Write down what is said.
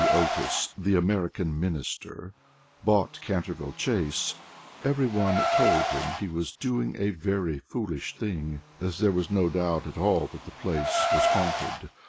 Otis, the American Minister, bought Canterville Chase, everyone told him he was doing a very foolish thing, as there was no doubt at all that the place was haunted.